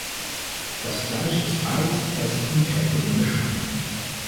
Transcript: Das Fleisch ist weiß, fest und kräftig im Geschmack.